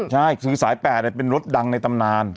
ใช่คือสาย๘เป็นรถดังในตำนาน